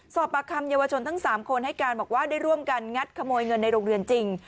ประคำเยาวชนทั้ง๓คนให้การบอกว่าได้ร่วมกันงัดขโมยเงินในโรงเรียนจริง